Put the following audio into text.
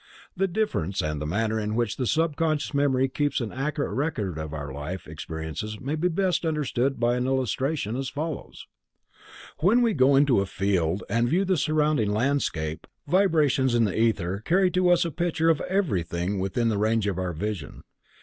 This difference and the manner in which the sub conscious memory keeps an accurate record of our life experiences may be best understood by an illustration, as follows: When we go into a field and view the surrounding landscape, vibrations in the ether carry to us a picture of everything within the range of our vision.